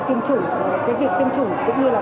tiêm chủng cái việc tiêm chủng cũng như là